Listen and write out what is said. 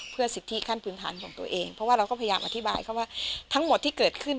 เพื่อสิทธิขั้นพื้นฐานของตัวเองเพราะว่าเราก็พยายามอธิบายเขาว่าทั้งหมดที่เกิดขึ้น